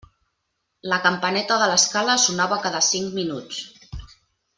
La campaneta de l'escala sonava cada cinc minuts.